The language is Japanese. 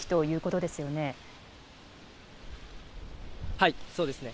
はい、そうですね。